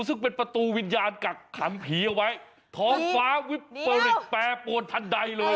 ซึ่งเป็นประตูวิญญาณกักขังผีเอาไว้ท้องฟ้าวิปริตแปรปวนทันใดเลย